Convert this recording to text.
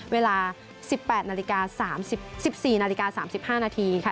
เวลา๑๔นาฬิกา๓๕นาทีค่ะ